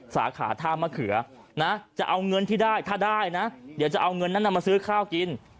สาขาท่ามะเขือนะจะเอาเงินที่ได้ถ้าได้นะเดี๋ยวจะเอาเงินนั้นมาซื้อข้าวกิน